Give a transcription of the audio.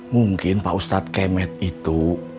mungkin pak ustadz kemet itu